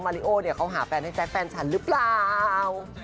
ริโอเนี่ยเขาหาแฟนให้แจ๊คแฟนฉันหรือเปล่า